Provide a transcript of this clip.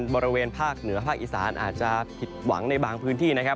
บริเวณภาคเหนือภาคอีสานอาจจะผิดหวังในบางพื้นที่นะครับ